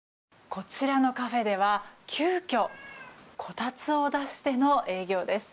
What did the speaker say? こちらのカフェでは急きょ、こたつを出しての営業です。